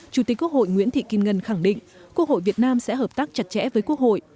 chủ tịch quốc hội nguyễn thị kim ngân khẳng định quốc hội việt nam sẽ hợp tác chặt chẽ với quốc hội